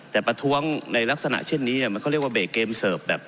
แต่ประท้วงในลักษณะเช่นนี้เนี้ยมันเขาเรียกว่าเกมเสิร์ฟแบบ